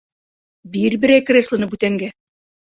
Бир берәй креслоны бүтәнгә.